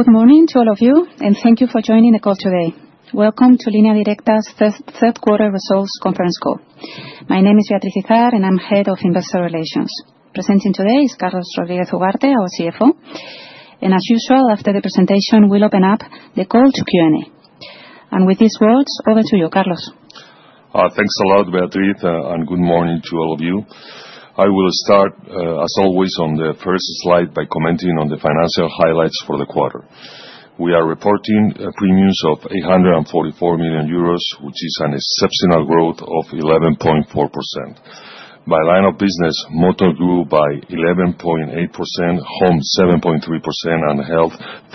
Good morning to all of you, and thank you for joining the call today. Welcome to Línea Directa's third quarter results conference call. My name is Beatriz Izard, and I'm head of investor relations. Presenting today is Carlos Rodríguez Duarte, our CFO. And as usual, after the presentation, we'll open up the call to Q&A. And with these words, over to you, Carlos. Thanks a lot, Beatriz, and good morning to all of you. I will start, as always, on the first slide by commenting on the financial highlights for the quarter. We are reporting premiums of 844 million euros, which is an exceptional growth of 11.4%. By line of business, motor grew by 11.8%, home 7.3%, and health 13.9%.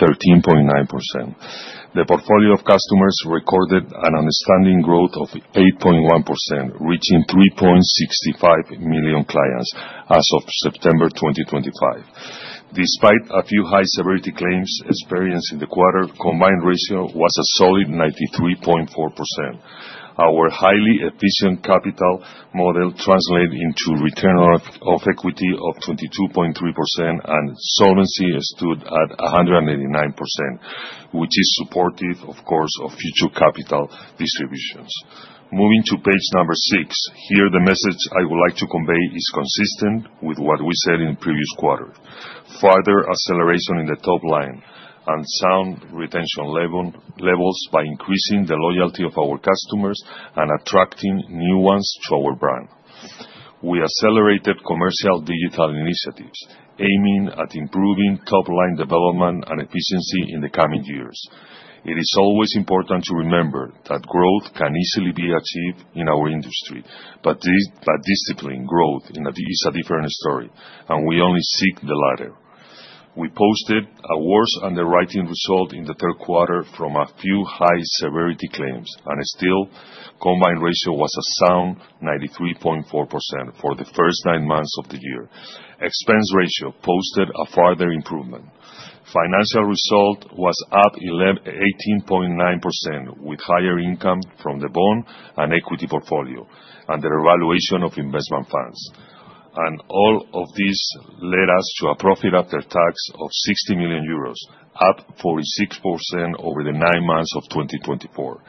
The portfolio of customers recorded an outstanding growth of 8.1%, reaching 3.65 million clients as of September 2025. Despite a few high severity claims experienced in the quarter, the combined ratio was a solid 93.4%. Our highly efficient capital model translated into return on equity of 22.3%, and solvency stood at 189%, which is supportive, of course, of future capital distributions. Moving to page number six, here, the message I would like to convey is consistent with what we said in the previous quarter: further acceleration in the top line and sound retention levels by increasing the loyalty of our customers and attracting new ones to our brand. We accelerated commercial digital initiatives, aiming at improving top line development and efficiency in the coming years. It is always important to remember that growth can easily be achieved in our industry, but disciplined growth is a different story, and we only seek the latter. We posted a worse underwriting result in the third quarter from a few high severity claims, and still, the combined ratio was a sound 93.4% for the first nine months of the year. Expense ratio posted a further improvement. Financial result was up 18.9% with higher income from the bond and equity portfolio and the revaluation of investment funds, and all of this led us to a profit after tax of 60 million euros, up 46% over the nine months of 2024.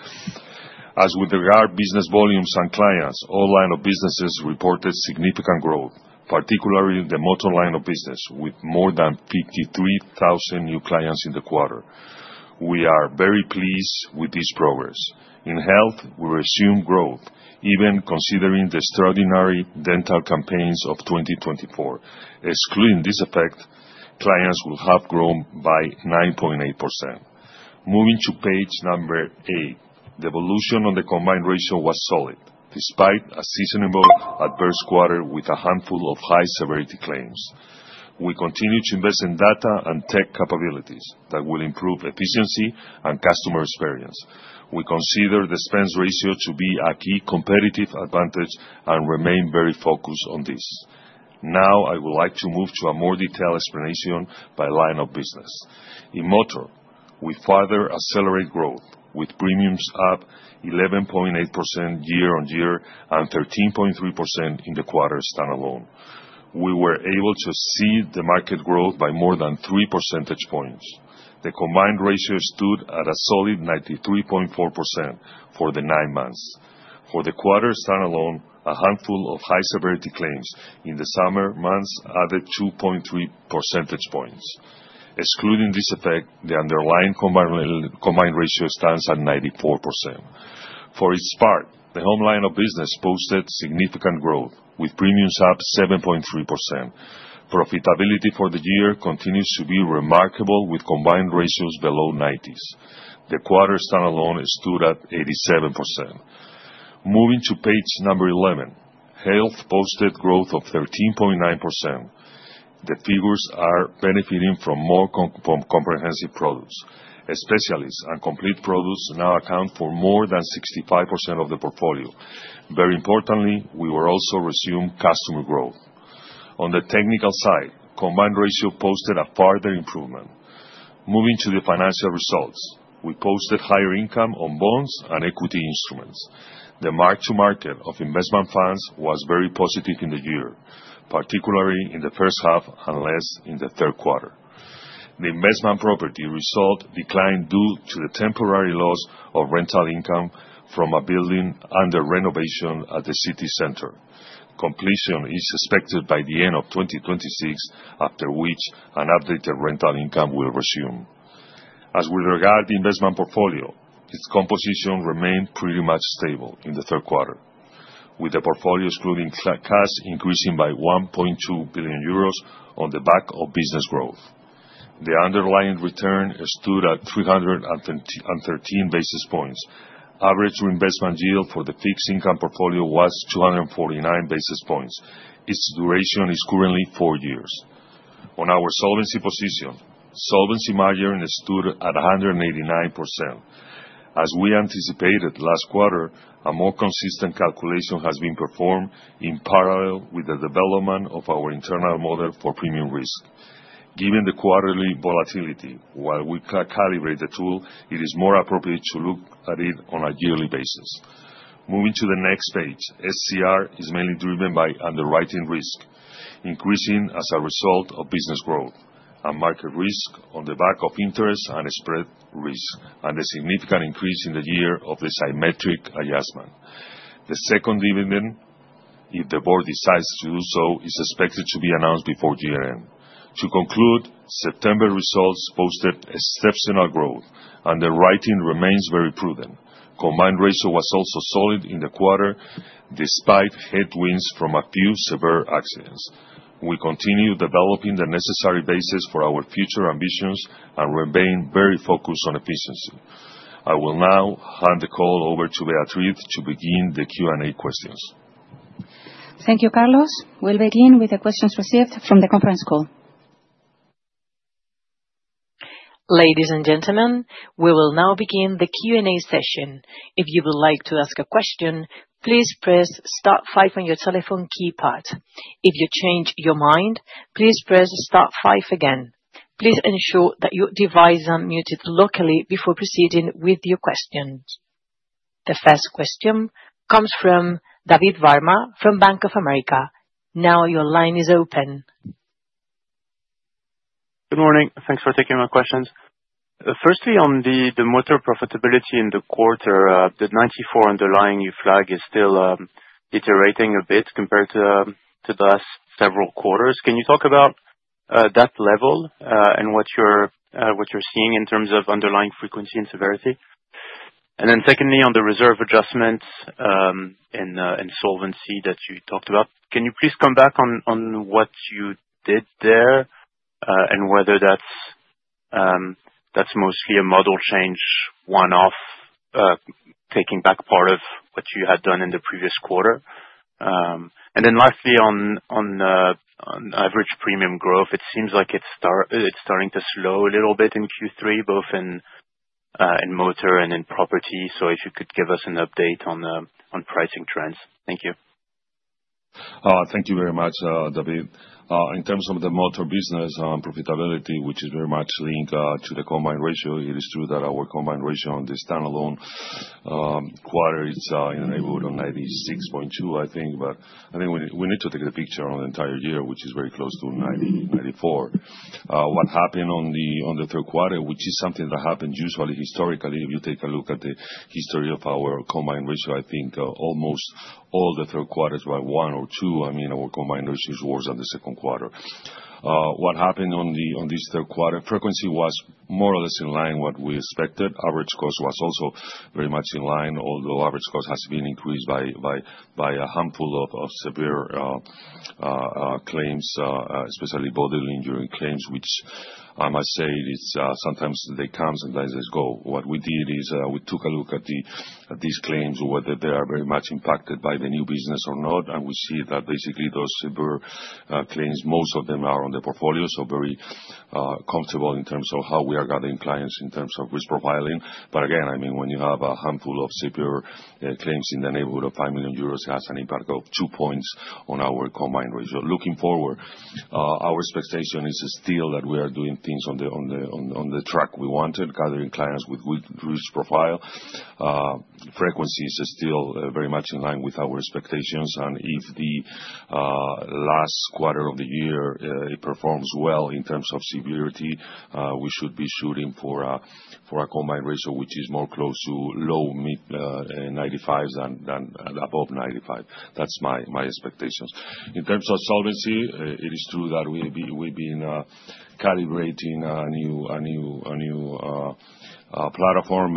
As with regard to business volumes and clients, all lines of business reported significant growth, particularly the motor line of business, with more than 53,000 new clients in the quarter. We are very pleased with this progress. In health, we resumed growth, even considering the extraordinary dental campaigns of 2024. Excluding this effect, clients will have grown by 9.8%. Moving to page number eight, the evolution on the combined ratio was solid, despite a seasonal adverse quarter with a handful of high severity claims. We continue to invest in data and tech capabilities that will improve efficiency and customer experience. We consider the expense ratio to be a key competitive advantage and remain very focused on this. Now, I would like to move to a more detailed explanation by line of business. In motor, we further accelerate growth with premiums up 11.8% year-on-year and 13.3% in the quarter standalone. We were able to see the market growth by more than 3 percentage points. The combined ratio stood at a solid 93.4% for the nine months. For the quarter standalone, a handful of high severity claims in the summer months added 2.3 percentage points. Excluding this effect, the underlying combined ratio stands at 94%. For its part, the home line of business posted significant growth with premiums up 7.3%. Profitability for the year continues to be remarkable with combined ratios below 90%. The quarter standalone stood at 87%. Moving to page number 11, health posted growth of 13.9%. The figures are benefiting from more comprehensive products. Specialists and complete products now account for more than 65% of the portfolio. Very importantly, we will also resume customer growth. On the technical side, combined ratio posted a further improvement. Moving to the financial results, we posted higher income on bonds and equity instruments. The mark-to-market of investment funds was very positive in the year, particularly in the first half and less in the third quarter. The investment property result declined due to the temporary loss of rental income from a building under renovation at the city center. Completion is expected by the end of 2026, after which an updated rental income will resume. As with regard to the investment portfolio, its composition remained pretty much stable in the third quarter, with the portfolio excluding cash increasing by 1.2 billion euros on the back of business growth. The underlying return stood at 313 basis points. Average reinvestment yield for the fixed income portfolio was 249 basis points. Its duration is currently four years. On our solvency position, solvency margin stood at 189%. As we anticipated last quarter, a more consistent calculation has been performed in parallel with the development of our internal model for premium risk. Given the quarterly volatility, while we calibrate the tool, it is more appropriate to look at it on a yearly basis. Moving to the next page, SCR is mainly driven by underwriting risk, increasing as a result of business growth and market risk on the back of interest and spread risk, and a significant increase in the year of the symmetric adjustment. The second dividend, if the board decides to do so, is expected to be announced before year-end. To conclude, September results posted exceptional growth. Underwriting remains very prudent. Combined ratio was also solid in the quarter, despite headwinds from a few severe accidents. We continue developing the necessary basis for our future ambitions and remain very focused on efficiency. I will now hand the call over to Beatriz to begin the Q&A questions. Thank you, Carlos. We'll begin with the questions received from the conference call. Ladies and gentlemen, we will now begin the Q&A session. If you would like to ask a question, please press star five on your telephone keypad. If you change your mind, please press star five again. Please ensure that your device is unmuted locally before proceeding with your questions. The first question comes from David Barma from Bank of America. Now your line is open. Good morning. Thanks for taking my questions. Firstly, on the motor profitability in the quarter, the 94 underlying new flag is still deteriorating a bit compared to the last several quarters. Can you talk about that level and what you're seeing in terms of underlying frequency and severity? And then secondly, on the reserve adjustments and solvency that you talked about, can you please come back on what you did there and whether that's mostly a model change one-off, taking back part of what you had done in the previous quarter? And then lastly, on average premium growth, it seems like it's starting to slow a little bit in Q3, both in motor and in property. So if you could give us an update on pricing trends? Thank you. Thank you very much, David. In terms of the motor business profitability, which is very much linked to the combined ratio, it is true that our combined ratio on the standalone quarter ended on 96.2, I think, but I think we need to take the picture on the entire year, which is very close to 94. What happened on the third quarter, which is something that happens usually historically, if you take a look at the history of our combined ratio, I think almost all the third quarters were one or two. I mean, our combined ratio is worse than the second quarter. What happened on this third quarter? Frequency was more or less in line with what we expected. Average cost was also very much in line, although average cost has been increased by a handful of severe claims, especially bodily injury claims, which I must say sometimes they come and sometimes they go. What we did is we took a look at these claims, whether they are very much impacted by the new business or not, and we see that basically those severe claims, most of them are on the portfolio, so very comfortable in terms of how we are gathering clients in terms of risk profiling. But again, I mean, when you have a handful of severe claims in the neighborhood of 5 million euros, it has an impact of two points on our combined ratio. Looking forward, our expectation is still that we are doing things on the track we wanted, gathering clients with good risk profile. Frequency is still very much in line with our expectations. And if the last quarter of the year performs well in terms of severity, we should be shooting for a combined ratio which is more close to low 95 than above 95. That's my expectations. In terms of solvency, it is true that we've been calibrating a new platform,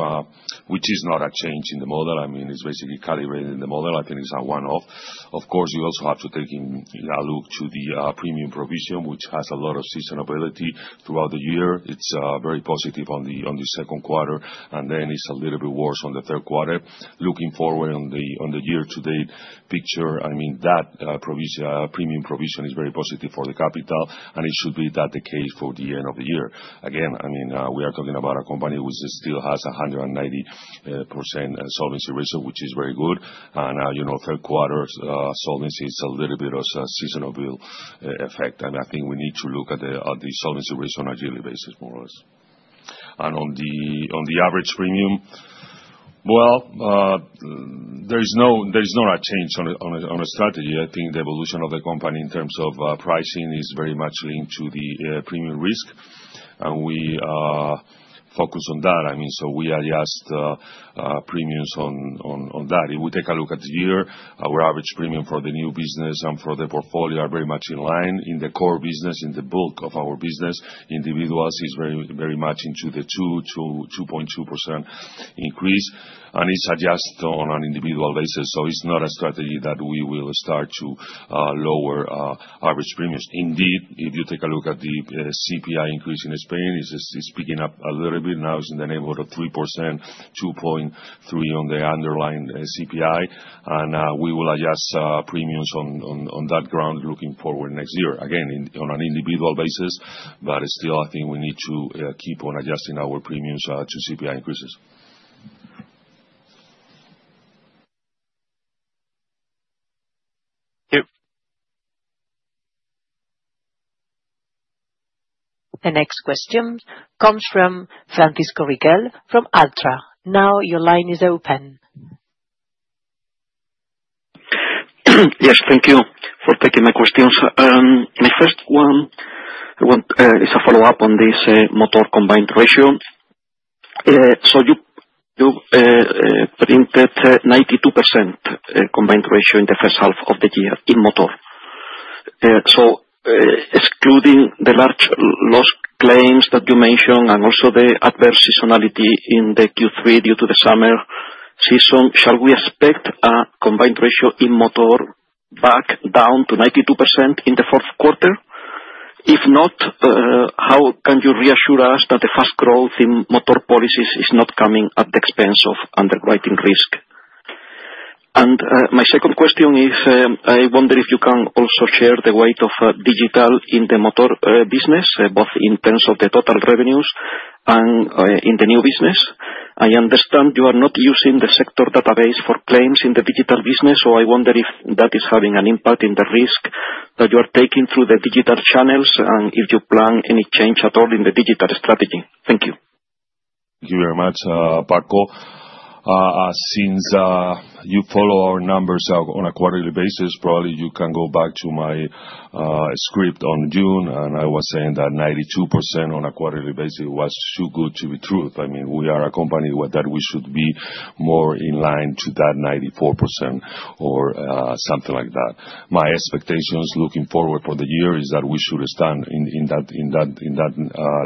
which is not a change in the model. I mean, it's basically calibrating the model. I think it's a one-off. Of course, you also have to take a look to the premium provision, which has a lot of seasonality throughout the year. It's very positive on the second quarter, and then it's a little bit worse on the third quarter. Looking forward on the year-to-date picture, I mean, that premium provision is very positive for the capital, and it should be that the case for the end of the year. Again, I mean, we are talking about a company which still has a 190% solvency ratio, which is very good, and third quarter solvency is a little bit of a seasonal effect. And I think we need to look at the solvency ratio on a yearly basis, more or less. And on the average premium, well, there is not a change on the strategy. I think the evolution of the company in terms of pricing is very much linked to the premium risk, and we focus on that. I mean, so we adjust premiums on that. If we take a look at the year, our average premium for the new business and for the portfolio are very much in line. In the core business, in the bulk of our business, individuals is very much into the 2.2% increase, and it's adjusted on an individual basis. So it's not a strategy that we will start to lower average premiums. Indeed, if you take a look at the CPI increase in Spain, it's picking up a little bit now. It's in the neighborhood of 3%, 2.3% on the underlying CPI. And we will adjust premiums on that ground looking forward next year, again, on an individual basis. But still, I think we need to keep on adjusting our premiums to CPI increases. The next question comes from Francisco Riquel from Alantra. Now your line is open. Yes, thank you for taking my questions. My first one is a follow-up on this motor combined ratio, so you printed 92% combined ratio in the first half of the year in motor, so excluding the large loss claims that you mentioned and also the adverse seasonality in the Q3 due to the summer season, shall we expect a combined ratio in motor back down to 92% in the fourth quarter? If not, how can you reassure us that the fast growth in motor policies is not coming at the expense of underwriting risk, and my second question is, I wonder if you can also share the weight of digital in the motor business, both in terms of the total revenues and in the new business. I understand you are not using the sector database for claims in the digital business, so I wonder if that is having an impact in the risk that you are taking through the digital channels and if you plan any change at all in the digital strategy? Thank you. Thank you very much, Paco. Since you follow our numbers on a quarterly basis, probably you can go back to my script on June, and I was saying that 92% on a quarterly basis was too good to be true. I mean, we are a company that we should be more in line to that 94% or something like that. My expectations looking forward for the year is that we should stand in that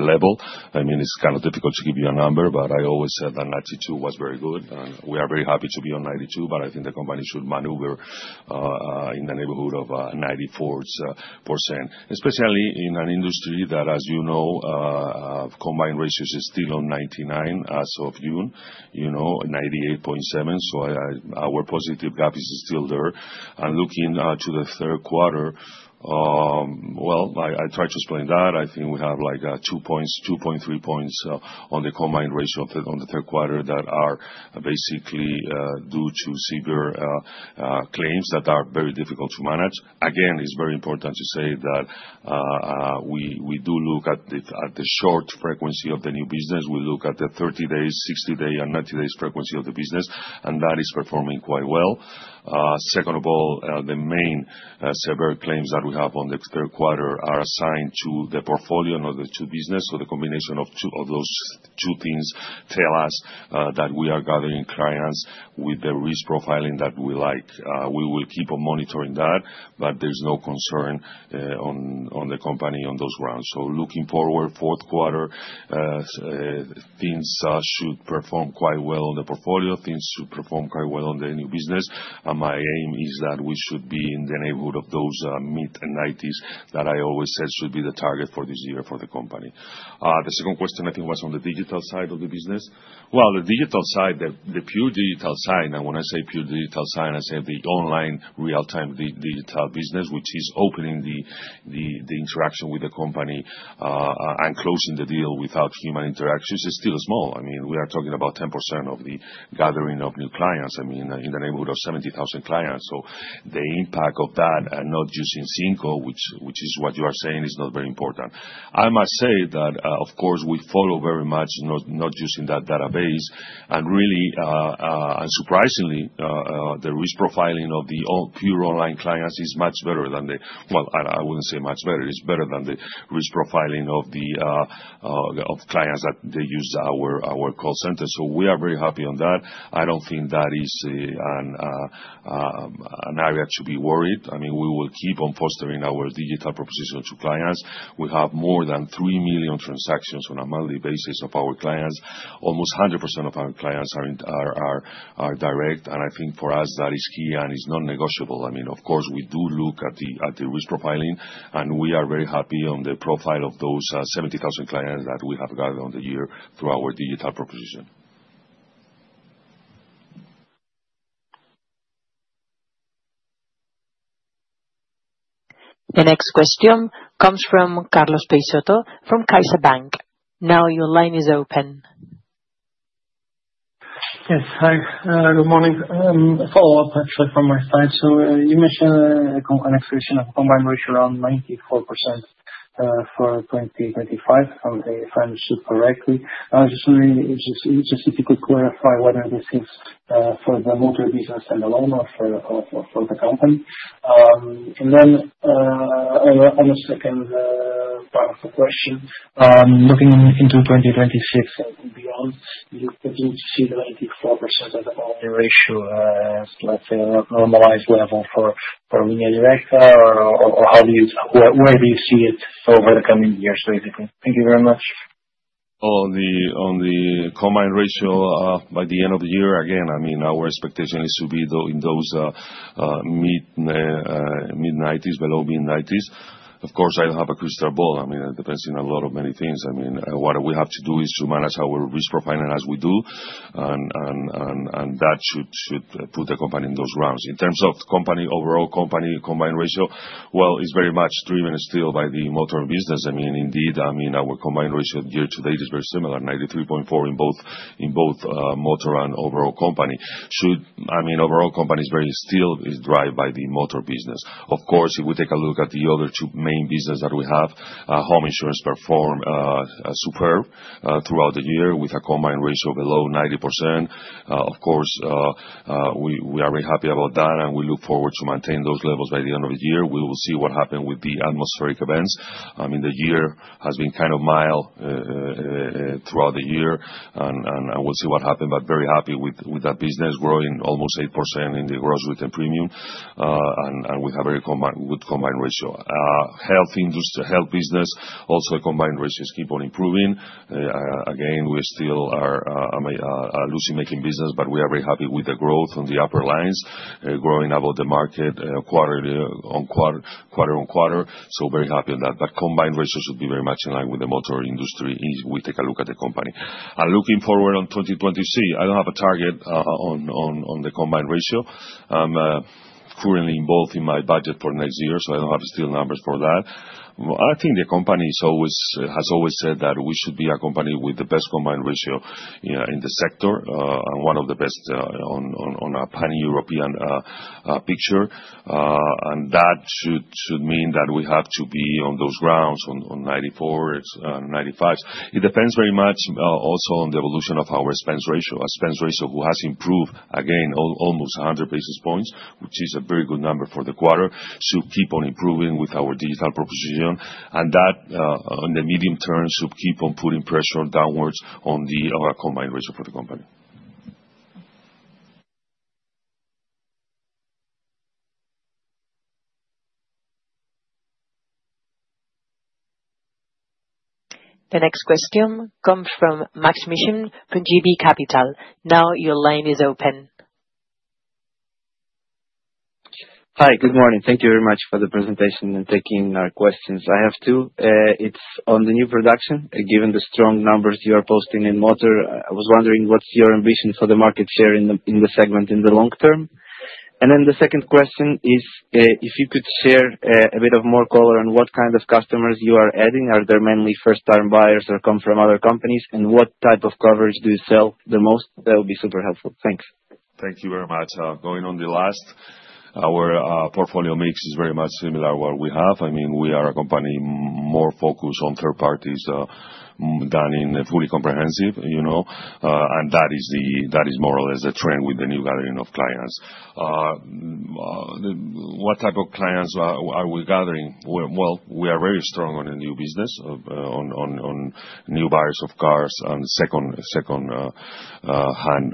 level. I mean, it's kind of difficult to give you a number, but I always said that 92% was very good, and we are very happy to be on 92%, but I think the company should maneuver in the neighborhood of 94%, especially in an industry that, as you know, combined ratio is still on 99% as of June, 98.7%. So our positive gap is still there. And looking to the third quarter, well, I tried to explain that. I think we have like 2.3 points on the combined ratio on the third quarter that are basically due to severe claims that are very difficult to manage. Again, it's very important to say that we do look at the short frequency of the new business. We look at the 30-day, 60-day, and 90-day frequency of the business, and that is performing quite well. Second of all, the main severe claims that we have on the third quarter are assigned to the portfolio and other two business. So the combination of those two things tells us that we are gathering clients with the risk profiling that we like. We will keep on monitoring that, but there's no concern on the company on those grounds. So looking forward, fourth quarter, things should perform quite well on the portfolio. Things should perform quite well on the new business, and my aim is that we should be in the neighborhood of those mid-90s that I always said should be the target for this year for the company. The second question, I think, was on the digital side of the business, well, the digital side, the pure digital side, and when I say pure digital side, I say the online real-time digital business, which is opening the interaction with the company and closing the deal without human interactions, is still small. I mean, we are talking about 10% of the gathering of new clients. I mean, in the neighborhood of 70,000 clients, so the impact of that and not using SINCO, which is what you are saying, is not very important. I must say that, of course, we follow very much not using that database. And really, and surprisingly, the risk profiling of the pure online clients is much better than the, well, I wouldn't say much better. It's better than the risk profiling of clients that they use our call center. So we are very happy on that. I don't think that is an area to be worried. I mean, we will keep on fostering our digital propositions to clients. We have more than 3 million transactions on a monthly basis of our clients. Almost 100% of our clients are direct. And I think for us, that is key and is non-negotiable. I mean, of course, we do look at the risk profiling, and we are very happy on the profile of those 70,000 clients that we have gathered on the year through our digital proposition. The next question comes from Carlos Peixoto from CaixaBank. Now your line is open. Yes. Hi. Good morning. A follow-up, actually, from my side. So you mentioned an expectation of combined ratio around 94% for 2025, if I understood correctly. I was just wondering if it's just difficult to clarify whether this is for the motor business and alone or for the company. And then on the second part of the question, looking into 2026 and beyond, do you see the 94% as a combined ratio, as, let's say, a normalized level for Línea Directa, or how do you, where do you see it over the coming years, basically? Thank you very much. On the combined ratio by the end of the year, again, I mean, our expectation is to be in those mid-90s, below mid-90s. Of course, I don't have a crystal ball. I mean, it depends on a lot of many things. I mean, what we have to do is to manage our risk profiling as we do, and that should put the company in those grounds. In terms of company overall combined ratio, well, it's very much driven still by the motor business. I mean, indeed, I mean, our combined ratio year-to-date is very similar, 93.4 in both motor and overall company. I mean, overall company is very still driven by the motor business. Of course, if we take a look at the other two main businesses that we have, home insurance performs superb throughout the year with a combined ratio below 90%. Of course, we are very happy about that, and we look forward to maintaining those levels by the end of the year. We will see what happens with the atmospheric events. I mean, the year has been kind of mild throughout the year, and we'll see what happens, but very happy with that business growing almost 8% in the gross written premium, and we have a very good combined ratio. Health business, also combined ratio is keep on improving. Again, we still are a loss-making business, but we are very happy with the growth on the upper lines, growing above the market quarter-on-quarter, so very happy on that, but combined ratio should be very much in line with the motor industry if we take a look at the company, and looking forward on 2026, I don't have a target on the combined ratio. I'm currently involved in my budget for next year, so I don't have still numbers for that. I think the company has always said that we should be a company with the best combined ratio in the sector and one of the best on a pan-European picture, and that should mean that we have to be on those grounds on 94-95. It depends very much also on the evolution of our expense ratio. Our expense ratio has improved, again, almost 100 basis points, which is a very good number for the quarter, should keep on improving with our digital proposition, and that, in the medium term, should keep on putting pressure downwards on the combined ratio for the company. The next question comes from Maks Mishin from JB Capital Markets. Now your line is open. Hi. Good morning. Thank you very much for the presentation and taking our questions. I have two. It's on the new production, given the strong numbers you are posting in motor. I was wondering what's your ambition for the market share in the segment in the long term. And then the second question is if you could share a bit of more color on what kind of customers you are adding. Are there mainly first-time buyers or come from other companies? And what type of coverage do you sell the most? That would be super helpful. Thanks. Thank you very much. Going on the last, our portfolio mix is very much similar to what we have. I mean, we are a company more focused on third parties than in fully comprehensive. And that is more or less the trend with the new gathering of clients. What type of clients are we gathering? Well, we are very strong on the new business, on new buyers of cars and second-hand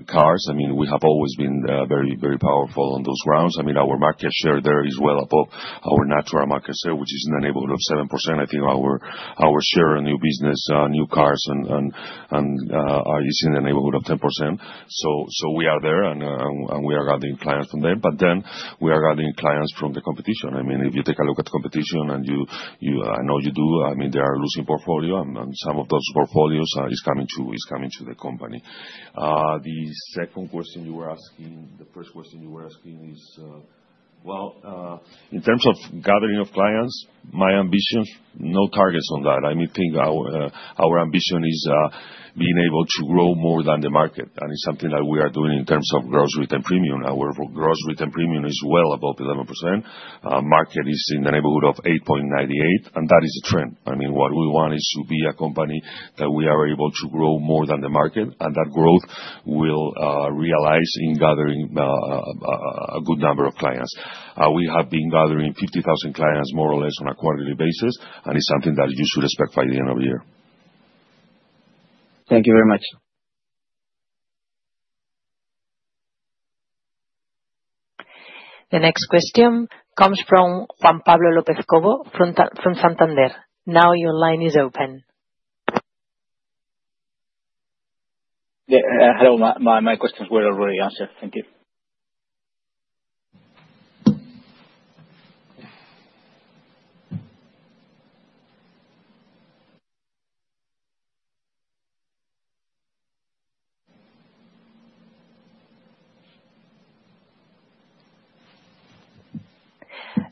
cars. I mean, we have always been very powerful on those grounds. I mean, our market share there is well above our natural market share, which is in the neighborhood of 7%. I think our share on new business, new cars, is in the neighborhood of 10%. So we are there, and we are gathering clients from there. But then we are gathering clients from the competition. I mean, if you take a look at the competition, and I know you do, I mean, they are losing portfolio, and some of those portfolios are coming to the company. The second question you were asking, the first question you were asking is, well, in terms of gathering of clients, my ambitions, no targets on that. I mean, I think our ambition is being able to grow more than the market, and it's something that we are doing in terms of gross retail premium. Our gross retail premium is well above 11%. Market is in the neighborhood of 8.98%, and that is the trend. I mean, what we want is to be a company that we are able to grow more than the market, and that growth will realize in gathering a good number of clients. We have been gathering 50,000 clients more or less on a quarterly basis, and it's something that you should expect by the end of the year. Thank you very much. The next question comes from Juan Pablo López Cobeño from Santander. Now your line is open. Hello. My questions were already answered. Thank you.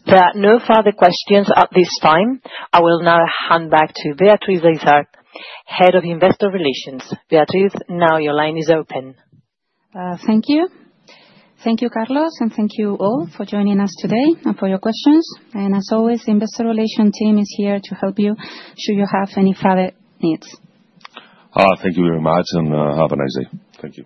There are no further questions at this time. I will now hand back to Beatriz Izard, Head of Investor Relations. Beatriz, now your line is open. Thank you. Thank you, Carlos, and thank you all for joining us today and for your questions, and as always, the Investor Relations team is here to help you should you have any further needs. Thank you very much, and have a nice day. Thank you.